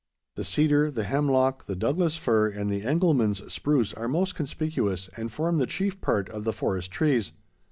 The cedar, the hemlock, the Douglas fir, and the Engelmann's spruce are most conspicuous and form the chief part of the forest trees.